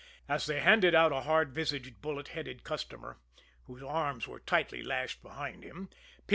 As they handed out a hard visaged, bullet headed customer, whose arms were tightly lashed behind him, P.